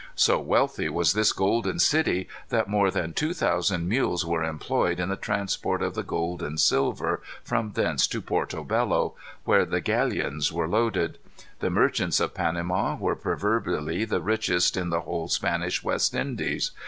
"So wealthy was this golden city that more than two thousand mules were employed in the transport of the gold and silver from thence to Porto Bello, where the galleons were loaded. The merchants of Panama were proverbially the richest in the whole Spanish West Indies.